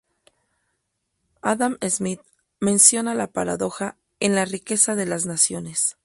Adam Smith menciona la paradoja en "La riqueza de las naciones".